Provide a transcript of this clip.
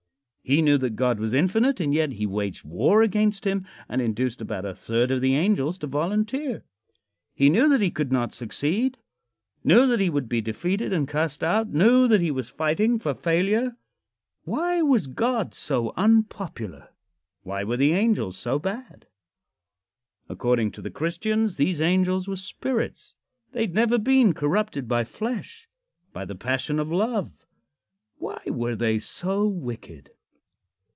He knew that God was infinite, and yet he waged war against him and induced about a third of the angels to volunteer. He knew that he could not succeed; knew that he would be defeated and cast out; knew that he was fighting for failure. Why was God so unpopular? Why were the angels so bad? According to the Christians, these angels were spirits. They had never been corrupted by flesh by the passion of love. Why were they so wicked?